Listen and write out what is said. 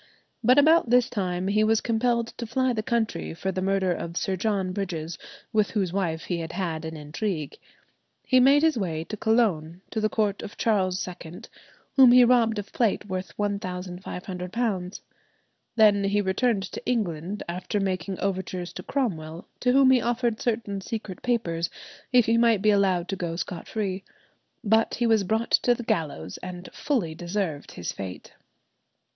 But about this time he was compelled to fly the country for the murder of Sir John Bridges, with whose wife he had had an intrigue. He made his way to Cologne, to the court of Charles II, whom he robbed of plate worth £1,500. Then he returned to England, after making overtures to Cromwell, to whom he offered certain secret papers if he might be allowed to go scot free. But he was brought to the gallows, and fully deserved his fate.